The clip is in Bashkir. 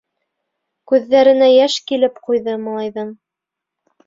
Күҙҙәренә йәш килеп ҡуйҙы малайҙың.